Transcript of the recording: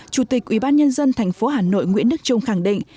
chủ tịch ubnd tp hà nội nguyễn đức trung khẳng định